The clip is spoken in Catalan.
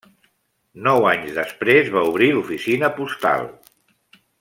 Nou anys després, va obrir l'oficina postal.